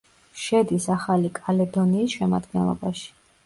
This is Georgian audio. შედის ახალი კალედონიის შემადგენლობაში.